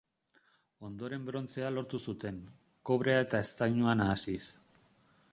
Ondoren brontzea lortu zuten, kobrea eta eztainua nahasiz.